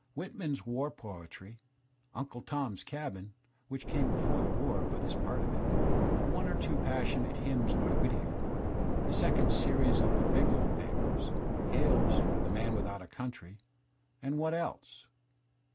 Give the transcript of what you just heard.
Whitman's war poetry, "Unde Tom's Cabin" (which came before the war but is part of it), one or two passionate hymns by Whittier, the second series of the "Biglow Papers," Hale's "The Man \^ithout a Country" — and what else?